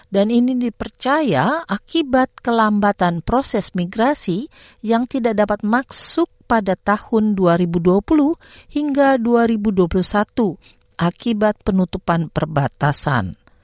dan ini dipercaya akibat kelambatan proses migrasi yang tidak dapat maksuk pada tahun dua ribu dua puluh hingga dua ribu dua puluh satu akibat penutupan perbatasan